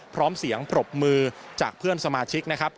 พร้อมเสียงปรบมือจากเพื่อนสมาชิกนะครับ